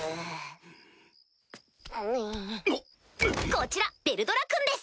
こちらヴェルドラ君です。